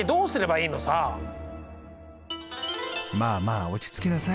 まあまあ落ち着きなさい。